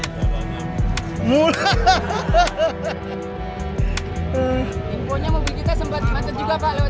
instruksi kepada kementerian renku